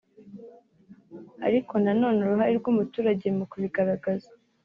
ariko na none uruhare rw’umuturage mu kubigaragaza